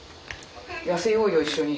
痩せようよ一緒に。